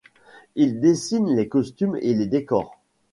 Il dessine les costumes et les décors.